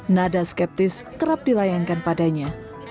nada skeptis kerap dilayangkan padanya